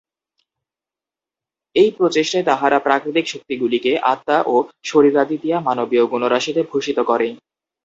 এই প্রচেষ্টায় তাহারা প্রাকৃতিক শক্তিগুলিকে আত্মা ও শরীরাদি দিয়া মানবীয় গুণরাশিতে ভূষিত করে।